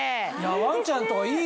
ワンちゃんとかいいよね。